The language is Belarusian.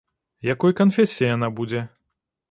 Якой канфесіі яна будзе?